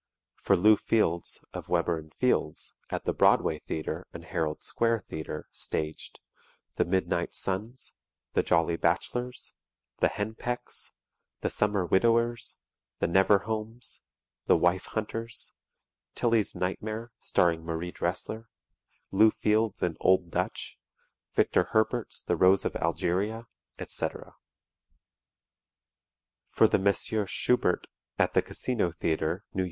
For Lew Fields (of Weber and Fields), at the Broadway Theatre and Herald Square Theatre staged: "The Midnight Sons," "The Jolly Bachelors," "The Hen Pecks," "The Summer Widowers," "The Never Homes," "The Wife Hunters," "Tillie's Nightmare," starring Marie Dressler; Lew Fields in "Old Dutch," Victor Herbert's "The Rose of Algeria," etc. For the Messrs. Shubert at the Casino Theatre, N.Y.